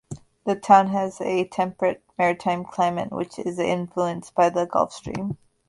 The town has a temperate maritime climate which is influenced by the Gulf Stream.